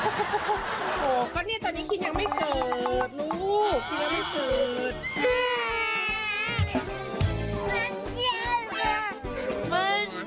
โฮก็นี่ตอนนี้คิดยังไม่เกิดลูกคิดยังไม่เกิด